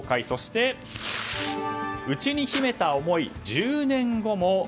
そして、内に秘めた思い１０年後も。